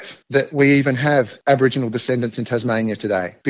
bahwa kita memiliki orang orang aborigin di tasmania hari ini